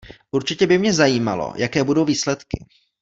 Určitě by mě zajímalo, jaké budou výsledky.